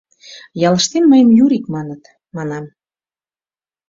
— Ялыштем мыйым Юрик маныт, — манам.